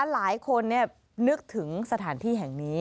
หลายคนนึกถึงสถานที่แห่งนี้